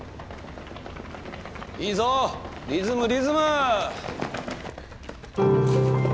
いいぞ、リズム、リズム。